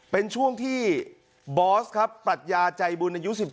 เป็นช่วงที่บอสครับปรัชญาใจบุญอายุ๑๖